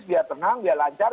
biar tenang biar lancar